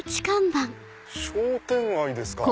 「商店街」ですか。